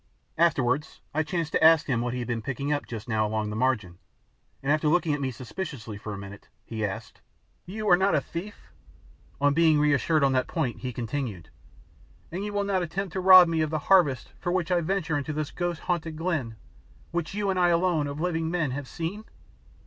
Afterwards I chanced to ask him what he had been picking up just now along the margin, and after looking at me suspiciously for a minute he asked "You are not a thief?" On being reassured on that point he continued: "And you will not attempt to rob me of the harvest for which I venture into this ghost haunted glen, which you and I alone of living men have seen?"